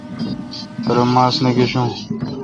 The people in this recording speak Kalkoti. پرہ ماس نہ گشون۔